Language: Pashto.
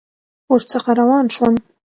ورڅخه روان شوم.